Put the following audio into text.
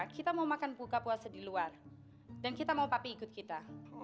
kita mau makan buka puasa di luar dan kita mau papi ikut kita